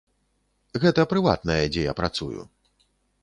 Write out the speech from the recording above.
Гэта прыватнае, дзе я працую!